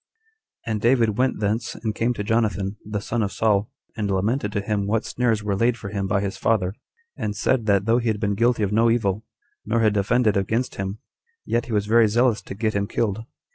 6. And David went thence, and came to Jonathan, the son of Saul, and lamented to him what snares were laid for him by his father; and said, that though he had been guilty of no evil, nor had offended against him, yet he was very zealous to get him killed.